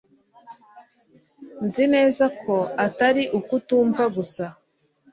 Nzi neza ko atari ukutumva gusa.